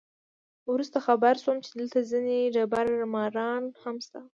وروسته خبر شوم چې دلته ځینې دبړه ماران هم شته.